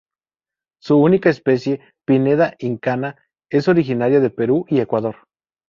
Su única especie: "Pineda incana", es originaria de Perú y Ecuador.